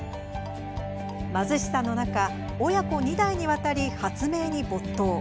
貧しさの中親子２代にわたり発明に没頭。